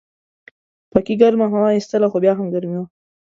پکې ګرمه هوا ایستله خو بیا هم ګرمي وه.